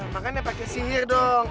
makan ya pakai sihir dong